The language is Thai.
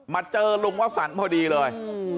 เจอลุงวสันพอดีเลย